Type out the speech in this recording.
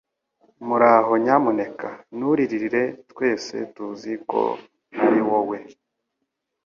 Muraho Nyamuneka nturirire Twese tuzi ko ntari wowe